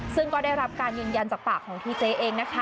ซึ่งก็ได้รับการยืนยันจากปากของทีเจ๊เองนะคะ